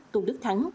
tùng đức thắng